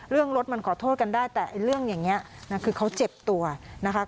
เรื่องรถมันขอโทษกันได้แต่เรื่องอย่างนี้คือเขาเจ็บตัวนะคะ